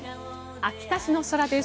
秋田市の空です。